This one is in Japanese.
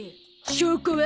証拠は？